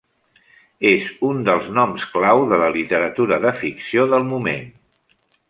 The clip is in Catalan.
És un dels noms clau de la literatura de ficció del moment.